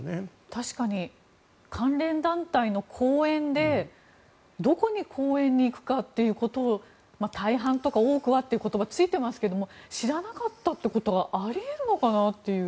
確かに関連団体の講演でどこに講演に行くかということを大半とか多くはという言葉がついていますが知らなかったということはあり得るのかなという。